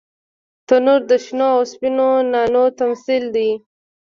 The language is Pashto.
تنور د شنو او سپینو نانو تمثیل دی